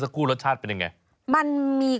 ไซส์ลำไย